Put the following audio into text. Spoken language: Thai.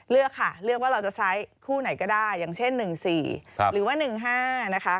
เลือกค่ะเลือกว่าเราจะใช้คู่ไหนก็ได้อย่างเช่น๑๔หรือว่า๑๕นะคะ